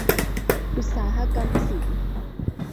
อุตสาหกรรมศิลป์